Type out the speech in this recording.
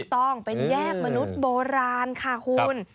ต้องเป็นแยกมนุษย์โบราณค่ะคุณ